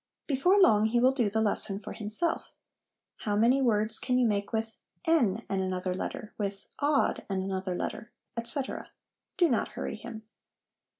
Before long he will do the lesson for himself. ' How many words can you make with " en " and another letter, with"od" and another letter?' etc. Do not hurry him.